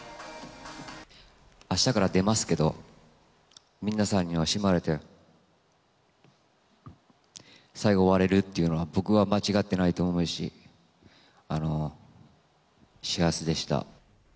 あしたから出ますけど、皆さんに惜しまれて、最後終われるっていうのは、僕は間違ってないと思うし、幸せでした。